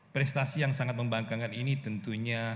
prestasi yang sangat membangkangkan ini tentunya